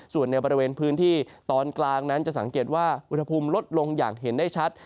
ส่วนในบริเวณพื้นที่ตอนกลางนั้นจะสังเกตว่าอุณหภูมิลดลงอย่างเห็นได้ชัด